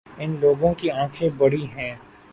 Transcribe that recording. اِن لوگوں کی آنکھیں بڑی ہیں